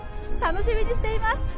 楽しみにしています。